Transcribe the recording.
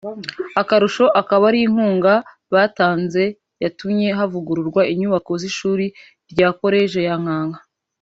akarusho akaba ari inkunga batanze yatumye havugururwa inyubako z’ishuri rya College ya Nkanka